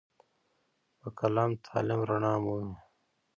په قلم تعلیم رڼا مومي.